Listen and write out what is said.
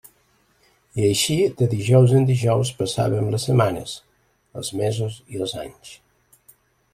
I així, de dijous en dijous, passàvem les setmanes, els mesos i els anys.